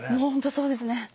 本当そうですね。